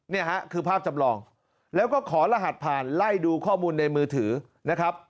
เนี่ยฮะคือภาพจำลองแล้วก็ขอรหัสผ่านไล่ดูข้อมูลในมือถือนะครับ